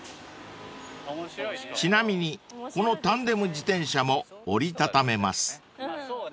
［ちなみにこのタンデム自転車も折り畳めます］